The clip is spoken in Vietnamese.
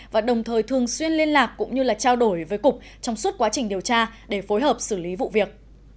và đồng thời thường xuyên liên lạc cũng như trao đổi với cục trong suốt quá trình điều tra để phối hợp xử lý vụ việc